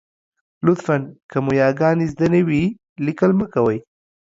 لطفاً! که مو یاګانې زده نه وي، لیکل مه کوئ.